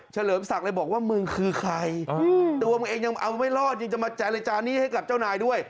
เลิมศักดิ์เลยบอกว่ามึงคือใครตัวมึงเองยังเอาไม่รอดยังจะมาเจรจาหนี้ให้กับเจ้านายด้วย